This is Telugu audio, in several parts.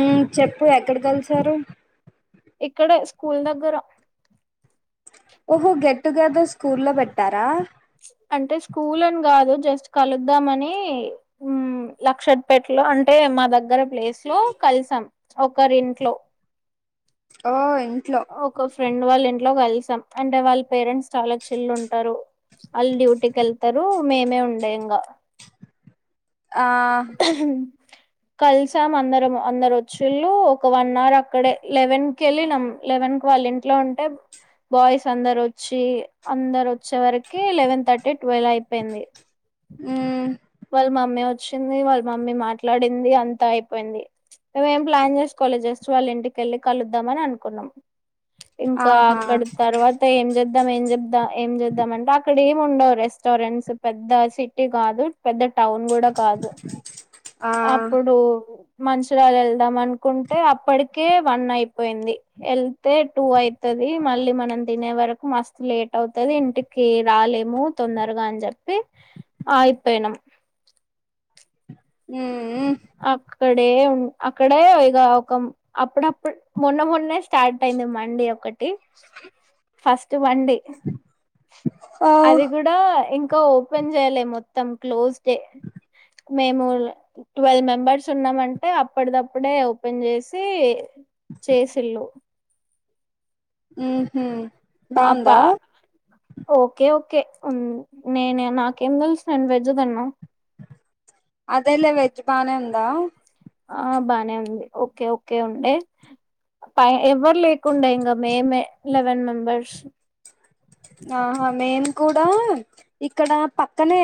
ఉమ్ చెప్పు ఎక్కడ కల్సారు ఇక్కడే స్కూల్ దగ్గర ఓహో గెట్టుగెదర్ స్కూల్లో పెట్టారా అంటే స్కూల్ అని కాదు జస్ట్ కలుద్దామనీ లక్షత్పేటలో అంటే మా దగ్గర ప్లేస్లో కల్సాం ఒకరింట్లో ఓ ఇంట్లో ఒక ఫ్రెండ్ వాళ్ళ ఇంట్లో కల్సాం అంటే వాళ్ళ పేరెంట్స్ చాలా చిల్లుంటారు వాళ్ళు డ్యూటీ కేళ్తారు మేమే ఉండే ఇంగ ఆ కలిసాం అందరం అందరు ఒచ్చిళ్ళు ఒక వన్ అవర్ అక్కడే లెవెన్ కెళ్ళినాం లెవెన్కు వాళ్ళింట్లో ఉంటే బాయ్స్ అందరు ఒచ్చి అందరు ఒచ్చే వరకి లెవెన్ థర్టీ ట్వెలైపోయింది ఉమ్ వాళ్ళ మమ్మీ ఒచ్చింది వాళ్ళ మమ్మీ మాట్లాడింది అంతా అయిపోయింది మేమేం ప్లాన్ జెస్కోలే జస్ట్ వాళ్ళ ఇంటికెళ్ళి కలుద్దామని అనుకున్నాం ఇంకా ఆహా అక్కడ తర్వాత తేంచేద్దాం ఏం చెప్దాం ఏం చేద్దాం అంటే అక్కడే ఉండవు రెస్టారెంట్స్ పెద్ద సిటీ కాదు పెద్ద టౌన్ కూడా కాదు ఆ అప్పుడూ మంచురాల వెళ్దాం అనుకుంటే అప్పటికే వన్ అయిపోయింది వెళ్తే టూ అయితది మళ్ళీ మనం తినే వరకు మస్తు లేట్ అవుతది ఇంటి కి రాలేము తొందరగా అని చెప్పి అగిపోయినాం ఉమ్ ఉ అక్కడే ఉ అక్కడే ఇగ ఒక అప్పుడప్పుడు మొన్న మొన్నే స్టార్టైంది మండీ ఒకటి ఫస్ట్ మండి ఓ అది కూ డా ఇంకా ఓపెన్ చేయలే మొత్తం క్లోజ్డే మేము ట్వెల్వ్ మెంబర్స్ ఉన్నామంటే అప్పడిదప్పుడే ఓపెన్ చేసి చేసిల్ళు ఉహు అపా ఓకే ఓకే ఉ నేనా నాకేం తెల్సు నేను వెజ్ తిన్నా అదేలే వెజ్ బానే ఉందా ఆ బానే ఉంది ఓకే ఓకే ఉండే పై ఎవరు లేకుండే ఇంగ మేమే లెవెన్ మెంబెర్స్ ఆహా మేమ్ కూడా ఇక్కడ పక్కనే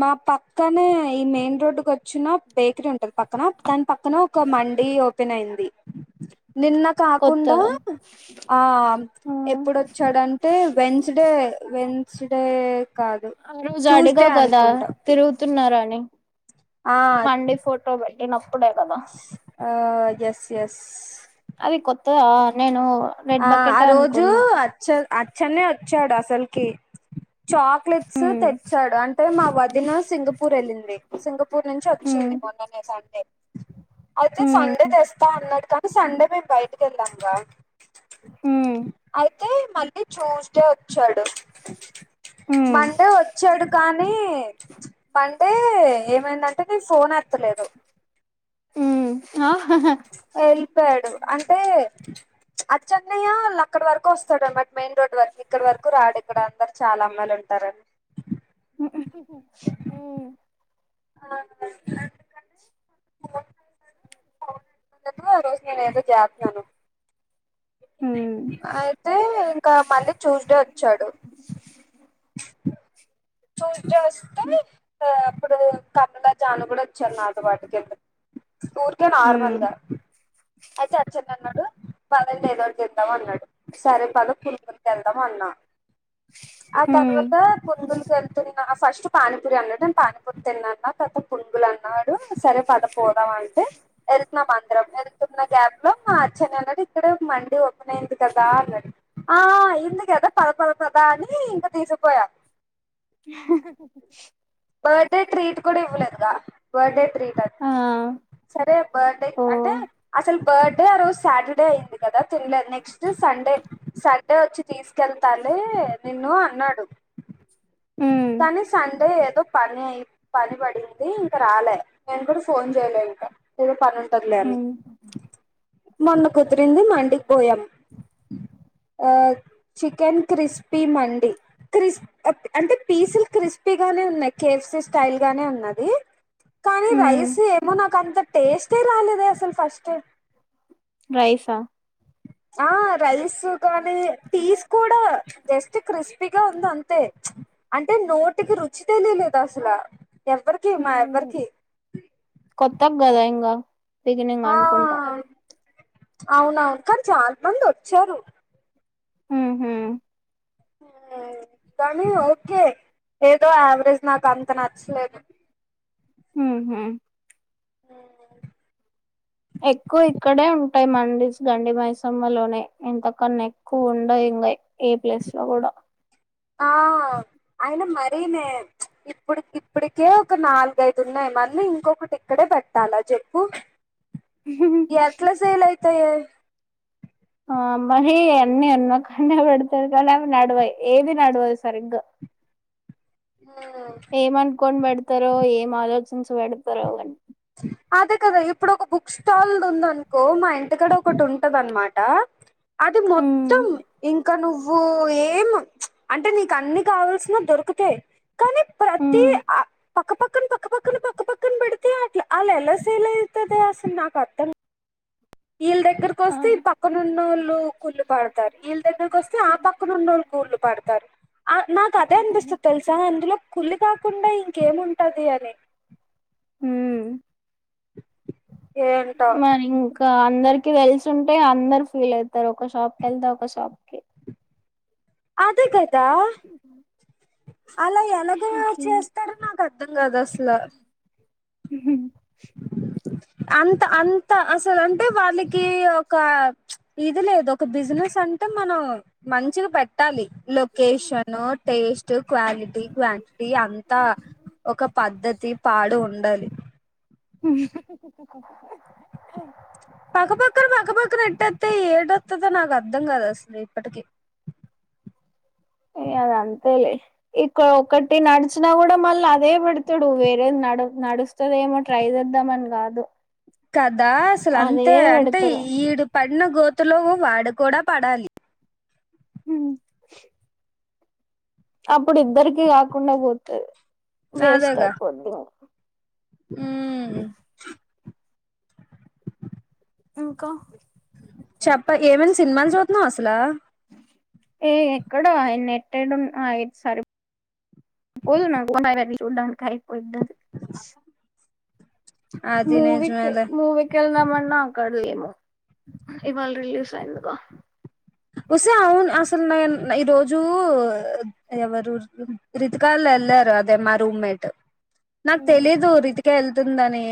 మా పక్కనే ఈ మెయిన్ రోడ్డు కొచ్చినా బేక్రీ ఉంటది పక్కన దాని పక్కన ఒక మండి ఓపెన్ అయింది నిన్న కాకుండా కొత్తగా ఆ ఎప్పుడొచ్చాడంటే డే వెన్స్ డే కాదు ఆ రోజు ట్యూస్డే అడిగావ్ కదా అనుకుంటా తిరుగుతున్నారా అని ఆ మండి ఫోటో పెట్టినప్పుడే కదా ఆ ఎస్ ఎస్ అది కొత్తదా నేను రెడ్ ఆ ఆ బకెట్ రోజు అనుకున్నా అచ్చ అచ్చన్నే ఒచ్చాడు అసల్కి చా క్లెట్స్ హ్మ్ తెచ్చాడు అంటే మా వద్దిన సింగపూరెళ్ళింది సింగపూర్ నుంచి హ్మ్ ఒచ్చింది మొన్ననే సండే అయితే హ్మ్ సండే తె స్తా అన్నాడు కానీ సండే మేము బైటికెళ్ళాంగా హు తే మళ్ళీ ట్యూస్డే ఒచ్చాడు హ్మ్ మండే ఒచ్చాడు కానీ మండే ఏమైందంటే నీ ఫోన్ ఎత్తలేదు హ్మ్ ఆ హహ ఎల్పోపోయాడు అంటే అచ్చన్నయ్య వాళ్ళక్కడి వరకు ఒస్తడు అన్నమాట మెయిన్ రోడ్ వర్కి ఇక్కడ వరకు రాడు ఇక్కడ అందరు చాలా అమ్మాయిలుంటారని ఉ [inaudible] ఒరోజు నేనేదో చేత్నాను హ్మ్ [inaudible] ఐ తే ఇంకా మళ్ళీ ట్యూస్డే వచ్చాడు ట్యూస్ డే ఒస్తే అప్పుడు కమ్లా జాను కూడా ఒచ్చారు నాతో పాటు కిందకి ఊర్కే హ్మ్ నార్మల్గా ఐతే అచ్చనన్నడు పదండి ఏదోకటిచేద్దాం అన్నడు సరే పద [unintelligible] పట్కెళ్దాం అన్నా ఆ హ్మ్ తర్వాత పునుగుల్కెతే ఫస్ట్ పానీపూరి అన్నాడు నేను పానీపూరి తిన్నాన్న తర్త పునుగులన్నాడు సరే పద పోదాం అంటే వెళ్తున్నాం అంద్రం వెళ్తున్న గ్యాప్ లో మా అచ్చన్నెయ్యన్నడు ఇక్కడ మండి ఓపెన్ అయింది కదా అన్నడు ఆ అయింది కదా పద పదపదా అని ఇంక తీసుక్పోయా బర్డే ట్రీట్ కూడా ఇవ్వలేదుగా బర్డే ట్రీట్ అని ఆ [inaudible] సరే బర్డే ఓ అంటే అసలు బర్డే ఆ రోజు సాటర్డే అయింది కదా తిన్లేదు నెక్స్ట్ సండే సండే ఒచ్చి తీస్కెళ్తాలే నిన్ను అన్నాడు హ్మ్ కానీ సండే ఏదో పని ఐ పని బడింది ఇంక రాలే నేను కూడా ఫోన్ చేయలే ఇంక ఏదో పనుం టద్లే హ్మ్ మొన్న కుదిరింది మండికి బోయాం ఆ చికెన్ క్రిస్పీ మండి క్రిస్ అంటే పీసుల్ క్రిస్పీ గానే ఉన్నాయి కేఎఫ్సి స్టైల్ గానే ఉన్నాది కానీ హ్మ్ రైస్ ఏమో నాకంత టేస్టే రాలేదే అసలు ఫస్ట్ రైసా ఆ రైస్ కానీ పీస్ కూడా జస్ట్ క్రిస్పీగా ఉంది అంతే అంటే నోటికి రుచి తెలియలేద అసల ఎవ్వరికి మా ఎవ్వరికి కొత్త గదయింగా ఆ అవునవును కానీ చాన మంది వచ్చారు ఉహు కానీ ఓకే ఏదో యావరేజ్ నాకు అంత నచ్చలేదు ఉహు ఎక్కువ ఇక్కడే ఉంటాయి మండీస్ గండి మైసమ్మ లోనే ఇంతకన్నా ఎక్కువ ఉండయి ఇంగ ఏ ప్లేస్ లో కూడా ఆ అయిన మరీనే ఇప్పుడు ఇప్పటికే ఒక నాలుగైదు ఉన్నాయి మళ్ళీ ఇంకొకటి ఇక్కడే పెట్టాలా చెప్పు ఎట్లా సెల్ అయితయె ఆ అమ్ మహి అన్ని అన్ని అక్కన్నే పెడతది కనీ అవి నడవవి ఏది నడవదు సరిగ ఉమ్ ఏమనుకోని పెడతరో ఏం ఆలోచించి పెడతరో అదే కదా ఇప్పుడు ఒక బుక్ స్టాల్ దుందనుకో మా ఇంటి కడ ఒకటి ఉంటద అనమాట అది మొ హ్మ్. త్తం ఇంకా నువ్వు ఏం అంటే నీకు అన్ని కావల్సిన దొరుకుతయి హ్మ్. పక్కపక్కన పక్క పక్కన పక్క పక్కన పెడితే అట్లా అళ ఎలా సేల్ అయితదే అసలు నాకు అర్థం ఇల్ దెగ్గర ఆ కోస్తే ఈ పక్కనున్నోల్లు కూళ్ళు పడతారు వీళ్ళ దగ్గరకు వస్తే ఆ పక్కనున్నోళ్ళ కూళ్లు పడతారు ఆ నాకు అదే అనిపిస్తుది తెలుసా ఇందులో కుళ్లు కాకుండా ఇంకేముంటది అని ఉమ్ ఏంటో మరి ఇంక్ ఇక అందరికి తెలిసుంటే అందరు ఫీల్ అయి తరు ఒక షాప్ కి ఏళ్తే ఒక షాప్ కి అదే కదా అలా ఎలాగ అట్లే చేస్తాడో నాకు అర్థం కాదు అసల అంత అంత అసలు అంటే వాళ్ళకి ఒక ఇది లేదు ఒక బిజినెస్ అంటే మనం మంచిగ పెట్టాలి location taste quality quantity అంతా ఒక పద్ధతి పాడు ఉండదు పక్కపక్కన పక్కపక్కన ఎట్టేత్తే ఏటొత్తదో నాకు అర్థం కాదు అసలు ఇప్పటికి ఇగ అది అంతేలె ఇక్కడ ఒకటి నడిచినా కూడా మళ్ళీ అదే పెడతడు వేరే నడు నడు నాడు స్తదేమో ట్రై చేద్దామని కాదు కదా అసలు అదే అంతే అంటే పెడతారు ఈడు పడిన గోతులో వాడు కూడా పడాలి ఉమ్ అప్పుడు ఇద్దరికి కాకుండా పోతది వేస్ట్ అదేగా అయిపోతది ఉమ్ ఇంకా చెప్ప ఏమైనా సినిమాలు చూతున్నవ అసలా ఏ ఎక్కడ ఆయ నెట్టెడు అయిన సరి వుదన్నాకోఆయన చూడ్డానికీ ఆయన అయిపోతది అది మూవికి నిజమేలే మూవి కెళ్దామన్నా అక్కడలేము ఇవాళ రిలీజ్ అయిందిగా ఒసె అవ్ను అసలు నేను ఈ రోజు ఎవరు రితికాలులేలరు అదే మా రూమ్మేట్ నాకు తెలీదు రీతిక ఏళ్తుందని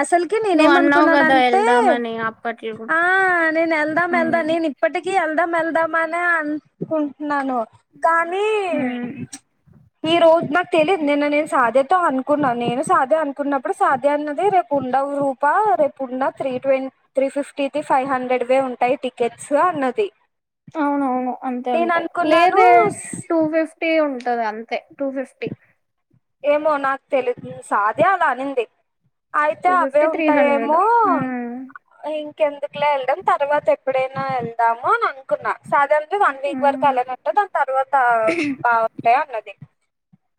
అసలు క నువ్వు అన్నావు కదా నేనేమనుకున్నానంటే వెళ్దామని అప్పట్లో ఆ నేను ఏళ్దాం ఉమ్ ఏళ్దాం నేను ఇప్పటికి ఎళ్దాం ఎళ్దాం అని అనుకుంటున్నాను కానీ ఉమ్ ఈ రోజు మకు తెలిదు నిన్న నేను సాధేతో అనుకున్నాను నేను సాధ్యా అనుకున్నప్పుడు సాధ్యా అన్నది రేపు ఉండవు తప్ప రేపు ఉన్న త్రీట్వెం త్రీ ఫిఫ్టీది ఫైవ్ హండ్రెడ్ వే ఉంటాయి టికెట్స్ అన్న తే అవ్నవ్ను అంతే అంతే లేదే టూ ఫిఫ్టీ ఉంటది అంతే టూ ఫిఫ్టీ ఏమో నాకు తెలిదు సాధ్యా అలా అనింది అయితే టూ అవే ఫిఫ్టీ త్రీ హండ్రెడ్ ఉంటాయేమో ఉమ్ ఇంకెందుకులే ఎళ్డం తర్వాత ఎప్పుడైనా వెళ్దామో అ కుంన్నా సాధ్యాంది వన్ వీక్ వరకు ఉమ్ అలానంట దాని తర్వాత బాగుంటాయి అన్నది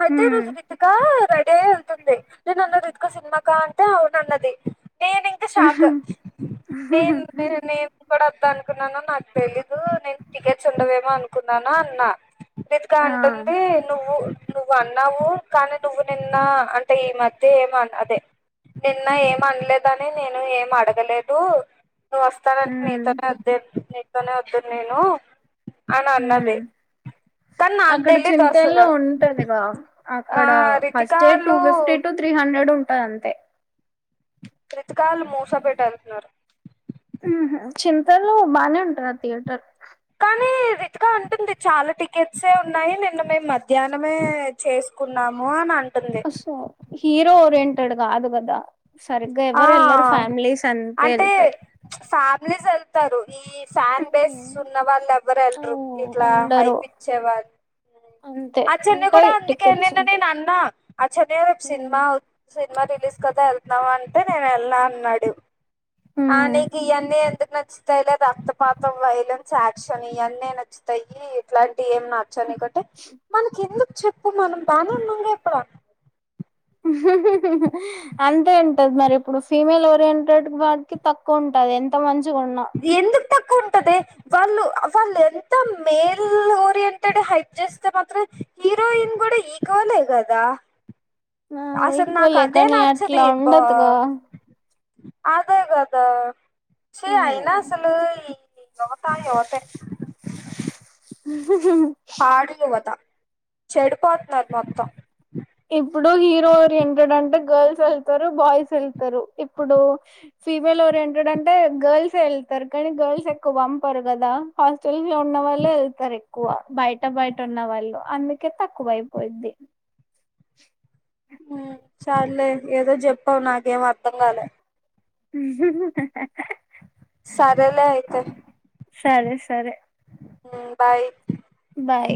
ప్రతి ఉమ్ రోజు ఆ రెడీ అయి వెళ్తుంది నేనంన్నా రితికా సిన్మా కా అంటే అవునున్నది నేను షాక్ నేన్ నేను కూడా ఒద్దానుకున్నాను నాకు తెలీదు నేను టికెట్స్ ఉండవేమో అనుకున్నాను అన్నా రితిక ఆ అంటుంది నువ్వు నువ్వు అన్నావు కానీ నువ్వు నిన్న అంటే ఈ మధ్య ఏమం అదే నిన్న ఏం అనలేదనే నేను ఏం అడగలేదు నువ్వు ఒస్తానంటే ఉమ్ నీతోనే ఒద్దు నీతోనే ఒద్దును నేను అని అన్నదే ఉమ్ కన్ని నాకు తెలిదసలు ఉంటందిగా ఆ రితికాల్లు త్రీ హండ్రెడ్ ఉంటదంతే రతికాలు మూసాపెట్ ఎల్తున్నారు ఉహు చింతలు బానే ఉంటారు ఆ థియేటర్ కానీది రితికాంటుంది చాలా టికెట్సే ఉన్నాయి నిన్న మేము మధ్యాహ్నమే చేస్కున్నాము అని అ అస్సో హీరో ఓరియంటెడ్గాదు కదా సరిగ్గా ఆ ఎవరు ఎల్రు ఫ్యామ్లీస్ అంతే వెళ్తాయ్ ఫ్యామ్లీస్ ఏళ్తారు నీ ఫాన్ బేస్ ఉమ్ ఉన్న వాళ్ళేవ్వరు ఎళ్లరు ఉమ్, ఇట్లా ఉండరు హైపిచ్చే వాళ్ళు అంతే అచ్చన్నే కూడా ఉంటాయి టికెట్స్ అందుకేన్నన్న ఉంటాయి నేను అచ్చన్నే అ రేపు సినిమా సినిమా రిలీజ్ కదా వెళ్తునావంటే నేనేళ్ళ అన్నాడు ఆ నీకియన్నీ ఎందుకు నచ్చుతాయ్లే రక్తపాతం వయ్లే చాక్చన్నీ నచ్చుతాయి ఇట్లాంటివి ఏం నచ్చనికంటే మనకెందుకు చె ఇప్పుడు మనం బానే ఉన్నాం ఇక్కడా హుహ హూ అంతే ఉంటది మరిప్పుడు ఫీమేల్ ఓరియంటెడ్ వాటికి తక్కువ ఉంటది ఎంత మంచిగున్నా ఇదేందుకు తక్కువ ఉంటది వాళ్ళు వాళ్ళెంత మేల్ ఓరియంటెడ్ హైప్ చేస్తే మాత్రం హీరోయిన్ కూడా ఈక్వలే కదా అసల్ ఈక్వలే నాకదే కానీ నచ్చదు అట్లా ఇప్పా ఉండదుగా అదే కదా చీ అయినా అసలు ఈ యువతా యువతరం ఉహ్ పాడు యువత చెడిపోత్నారు మొత్తం ఇప్పుడు హీరో ఓరియంటెడ్ అంటే గర్ల్స్ ఏళ్తారు బాయ్స్ ఏళ్తారు ఇప్పుడూ ఫీమేల్ ఓరియంటెడ్ అంటే గర్ల్సే ఎళ్తరు కానీ గర్ల్స్ ఎక్కువ పంపరు కదా హాస్టల్స్ లో ఉన్న వాళ్ళే ఎల్తరు క్కువ బైట బైట ఉన్న వాళ్ళు అందుకే తక్కువైపోద్ది చాల్లే ఏదో జెప్పావు నాకేం అర్థం కాలే సరేలే ఐతే సరే సరే మ్ బాయ్ బాయ్